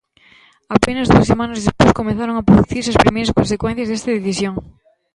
Apenas dúas semanas despois comezaron a producirse as primeiras consecuencias desta decisión.